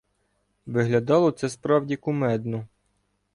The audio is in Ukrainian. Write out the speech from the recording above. Виглядало це справді кумедно.